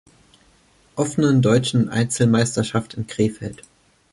Offenen Deutschen Einzelmeisterschaft" in Krefeld.